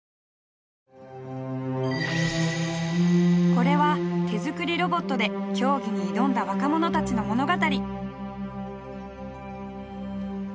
これは手づくりロボットで競技に挑んだ若者たちの物語。